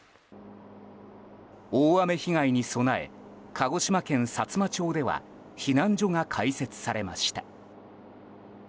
大雨被害に備え鹿児島県さつま町では避難所が開設されました。